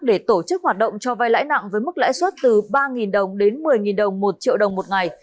để tổ chức hoạt động cho vai lãi nặng với mức lãi suất từ ba đồng đến một mươi đồng một triệu đồng một ngày